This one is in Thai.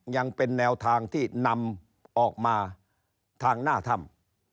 ยังเป็นแนวทางที่นำออกมาทางหน้าถ้ำ